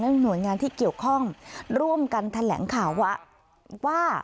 และหน่วยงานที่เกี่ยวข้องร่วมกันแถลงข่าวว่า